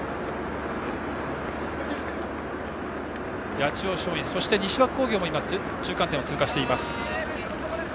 八千代松陰、西脇工業も中間点を通過しています。